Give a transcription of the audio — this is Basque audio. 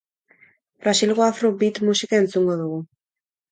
Brasilgo afro-beat musika entzungo dugu.